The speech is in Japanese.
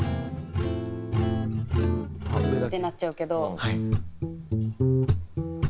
ってなっちゃうけど。